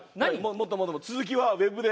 もっともっと「続きはｗｅｂで」